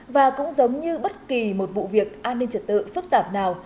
và cũng giống như bất kỳ một vụ việc an ninh trật tự phức tạp nào